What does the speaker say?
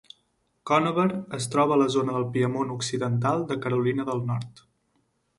Conover es troba a la zona del Piemont occidental de Carolina del Nord.